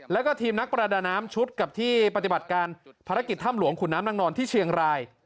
แล้วก็ทีมนักประดาน้ำชุดกับที่ปฏิบัติการภารกิจถ้ำหลวงขุนน้ำนางนอนที่เชียงราย